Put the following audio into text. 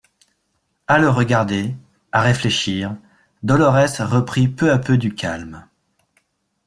A le regarder, à réfléchir, Dolorès reprit peu à peu du calme.